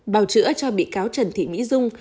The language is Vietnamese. bảo chữa cho bị cáo trần thị mỹ dung